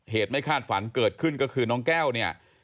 ไม่คาดฝันเกิดขึ้นก็คือน้องแก้วเนี่ย